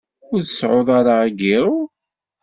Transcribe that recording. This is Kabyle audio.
Ur tseɛɛuḍ ara agiṛṛu?